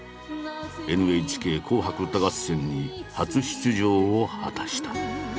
「ＮＨＫ紅白歌合戦」に初出場を果たした。